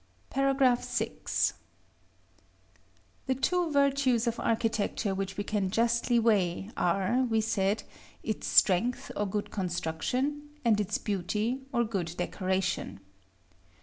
§ VI. The two virtues of architecture which we can justly weigh, are, we said, its strength or good construction, and its beauty or good decoration.